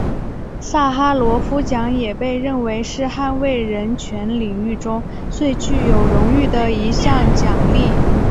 萨哈罗夫奖也被认为是捍卫人权领域中最具有荣誉的一项奖励。